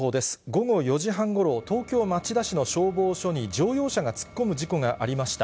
午後４時半ごろ、東京・町田市の消防署に乗用車が突っ込む事故がありました。